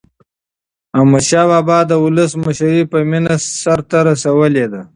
احمدشاه بابا د ولس مشري په مینه سرته رسولې ده.